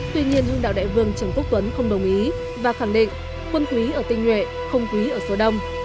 tuy nhiên hưng đạo đại vương trần quốc tuấn không đồng ý và khẳng định quân quý ở tinh nhuệ không quý ở số đông